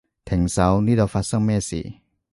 停手，呢度發生咩事？